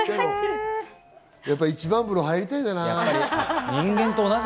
やっぱり一番風呂に入りたいんだな。